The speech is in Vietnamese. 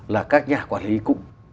là các nhà quản lý cũng